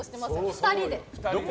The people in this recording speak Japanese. ２人で。